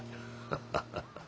ハハハハッ。